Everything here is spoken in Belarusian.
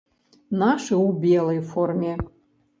Нашы ў белай форме.